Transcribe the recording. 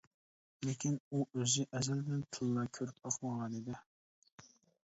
لېكىن ئۇ ئۆزى ئەزەلدىن تىللا كۆرۈپ باقمىغانىدى.